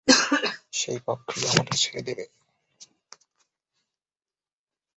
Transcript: সেই পাপ কি আমাদের ছেড়ে দেবে?